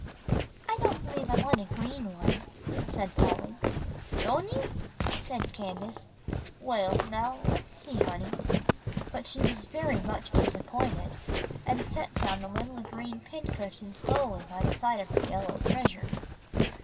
"I don't believe I want a green one," said Polly. "Don' you?" said Candace. "Well, now let's see, honey," but she was very much disappointed, and set down the little green pincushion slowly by the side of her yellow treasure.